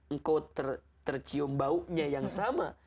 engkau tercium baunya yang sama